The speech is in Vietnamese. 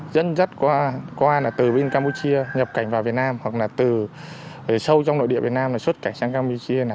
dẫn dắt qua là từ bên campuchia nhập cảnh vào việt nam hoặc là từ sâu trong nội địa việt nam là xuất cảnh sang campuchia